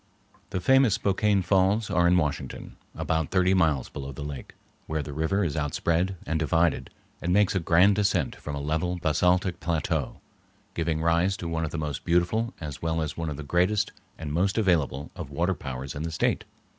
The famous Spokane Falls are in Washington, about thirty miles below the lake, where the river is outspread and divided and makes a grand descent from a level basaltic plateau, giving rise to one of the most beautiful as well as one of the greatest and most available of water powers in the State.